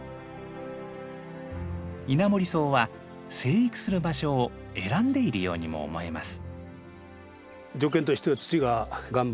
イナモリソウは生育する場所を選んでいるようにも思えます。